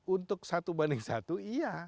untuk satu banding satu iya